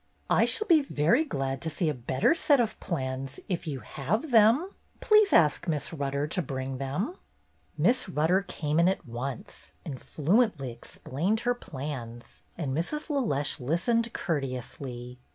"I shall be very glad to see a better set of plans if you have them. Please ask Miss Rutter to bring them." Miss Rutter came in at once and fluently explained her plans, and Mrs. LeLeche lis tened courteously.